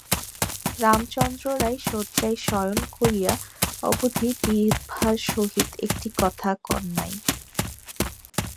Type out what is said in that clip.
রামচন্দ্র রায় শয্যায় শয়ন করিয়া অবধি বিভার সহিত একটি কথা কন নাই।